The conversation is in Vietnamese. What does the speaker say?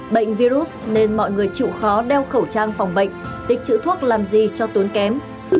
bệnh virus nên mọi người chịu khó đeo khẩu trang phòng bệnh tích chữ thuốc làm gì cho tốn kém